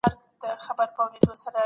د تاريخي شواهدو ارزښت څه دی؟